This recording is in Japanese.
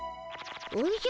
おじゃ？